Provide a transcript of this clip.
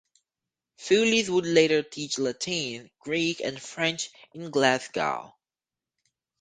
Foulis would later teach Latin, Greek, and French in Glasgow.